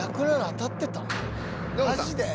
当たってた。